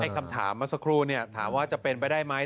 คำถามมาสักครู่เนี่ยถามว่าจะเป็นไปได้ไหม